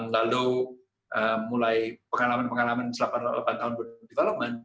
lalu mulai pengalaman pengalaman selama delapan tahun berdevelopment